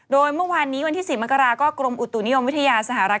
โดยเมื่อวานนี้วันที่๔มกราก็กรมอุตุนิยมวิทยาสหรัฐ